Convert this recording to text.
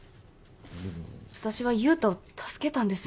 私は雄太を助けたんですよ